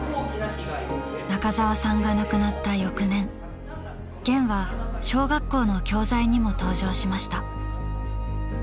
中沢さんが亡くなった翌年『ゲン』は小学校の教材にも登場しました。